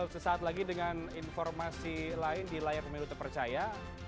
sesaat lagi dengan informasi lain di layar pemilu terpercaya